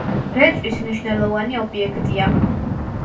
რეწვის მნიშვნელოვანი ობიექტია.